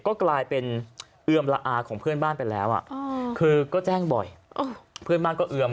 ก็กลายเป็นเอือมละอาของเพื่อนบ้านไปแล้วคือก็แจ้งบ่อยเพื่อนบ้านก็เอือม